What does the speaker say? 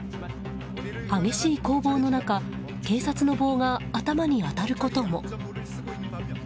激しい攻防の中警察の棒が頭に当たることも。